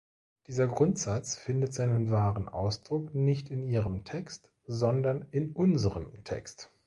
Dieser Grundsatz findet seinen wahren Ausdruck nicht in Ihrem Text, sondern in unserem Text.